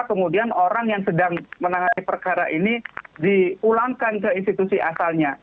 kemudian orang yang sedang menangani perkara ini diulangkan ke institusi asalnya